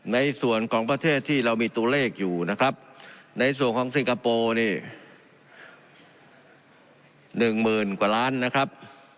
ในส่วนของประเทศที่เรามีตัวเลขอยู่นะครับในส่วนของสิงคโปร์นี่๑หมื่นกว่าล้านนะครับ